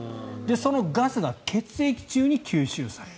そのガスが血液中に吸収される。